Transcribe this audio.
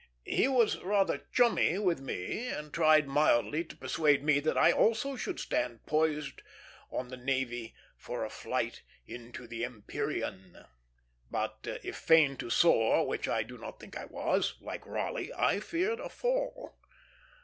He was rather chummy with me, and tried mildly to persuade me that I also should stand poised on the navy for a flight into the empyrean; but, if fain to soar, which I do not think I was, like Raleigh, I feared a fall.